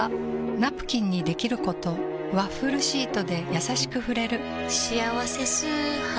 ナプキンにできることワッフルシートでやさしく触れる「しあわせ素肌」